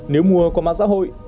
nếu mùa có mạng xã hội